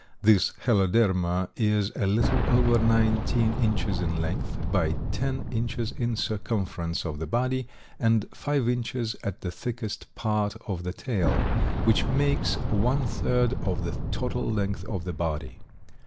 This Heloderma is a little over nineteen inches in length by ten inches in circumference of the body and five inches at the thickest part of the tail, which makes one third of the total length of the body.